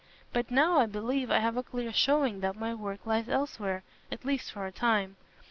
But now, I believe, I have a clear showing that my work lies elsewhere—at least for a time.